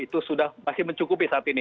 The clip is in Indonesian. itu sudah masih mencukupi saat ini